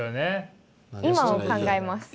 今を考えます。